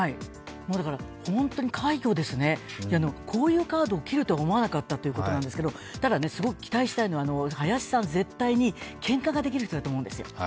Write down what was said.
だから本当に快挙ですね、こういうカードを切るとは思わなかったということなんですけど、ただすごく期待したいのは、林さん、けんかができる人だと思うんですよ。